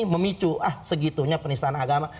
memicu ah segitunya penistaan agama